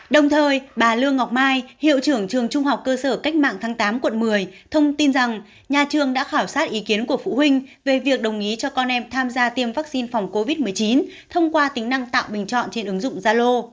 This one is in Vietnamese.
đồng thời bà lương ngọc mai hiệu trưởng trường trung học cơ sở cách mạng tháng tám quận một mươi thông tin rằng nhà trường đã khảo sát ý kiến của phụ huynh về việc đồng ý cho con em tham gia tiêm vaccine phòng covid một mươi chín thông qua tính năng tạo bình chọn trên ứng dụng zalo